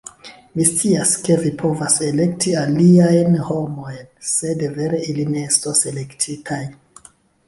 Mi scias, ke vi povas elekti aliajn homojn sed vere ili ne estos elektitaj